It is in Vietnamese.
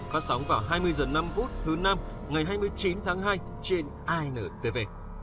phát sóng vào hai mươi h năm thứ năm ngày hai mươi chín tháng hai trên intv